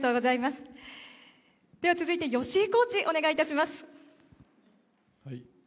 続いて吉井コーチ、お願いいたします。